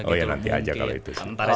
oh ya nanti aja kalau itu